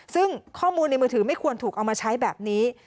ซึ่งข้อมูลในมือถือไม่ควรถูกเอามาใช้แบบนี้